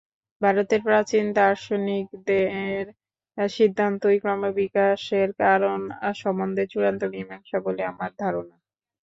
ভারতের প্রাচীন দার্শনিকদিগের সিদ্ধান্তই ক্রমবিকাশের কারণ সম্বন্ধে চূড়ান্ত মীমাংসা বলে আমার ধারণা।